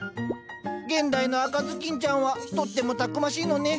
現代の赤ずきんちゃんはとってもたくましいのね。